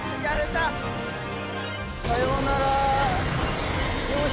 さようなら。